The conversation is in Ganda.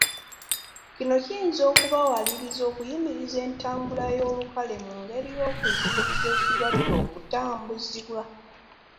Kino kiyinza okubawaliriza okuyimiriza entambula ey’olukale mu ngeri y’okuziyizza ekirwadde okutambuzibwa.